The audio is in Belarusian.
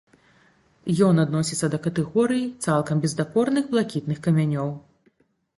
Ён адносіцца да катэгорыі цалкам бездакорных блакітных камянёў.